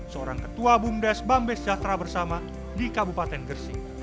seorang ketua bumdes bambes jatra bersama di kabupaten gresik